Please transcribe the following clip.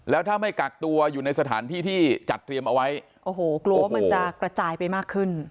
แล้วถ้าไม่กักตัวอยู่ในสถานที่ที่จัดเตรียมเอาไว้โอ้โหกลัวว่ามันจะกระจายไปมากขึ้น